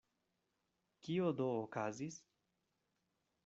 Kio do okazis?